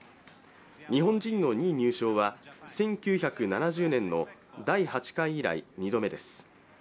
日本人の２位入賞は１９７０年の第８回以来２度目です。